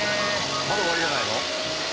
まだ終わりじゃないの？